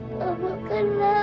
bapak diberi rezeki yang banyak